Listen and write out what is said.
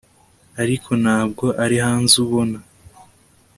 ariko ntabwo ari hanze ubona